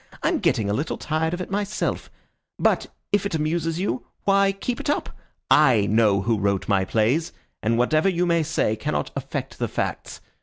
I'm getting a little tired of it myself; but if it amuses you, why, keep it up. I know who wrote my plays, and whatever you may say cannot affect the facts.